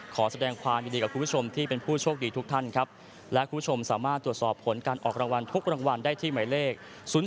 ขอแสดงความยินดีกับคุณผู้ชมที่เป็นผู้โชคดีทุกท่านครับและคุณผู้ชมสามารถตรวจสอบผลการออกรางวัลทุกรางวัลได้ที่หมายเลข๐๒